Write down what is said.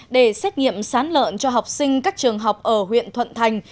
để xét nghiệm sán lợn cho học sinh các trường học ở huyện thuận thành